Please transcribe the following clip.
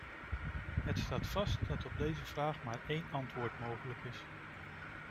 Het staat vast dat op deze vraag maar één antwoord mogelijk is.